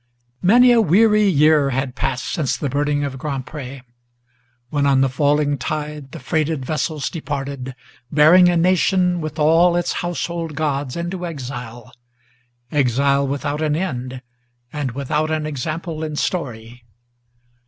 MANY a weary year had passed since the burning of Grand Pré, When on the falling tide the freighted vessels departed, Bearing a nation, with all its household gods, into exile, Exile without an end, and without an example in story.